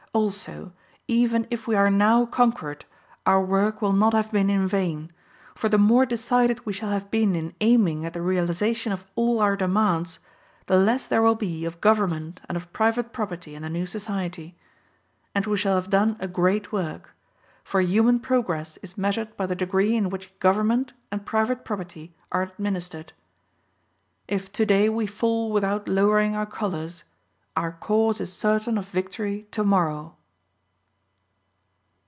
Also, even if we are now conquered, our work will not have been in vain; for the more decided we shall have been in aiming at the realization of all our demands, the less there will be of government and of private property in the new society. And we shall have done a great work; for human progress is measured by the degree in which government and private property are administered. If today we fall without lowering our colors, our cause is certain of victory tomorrow.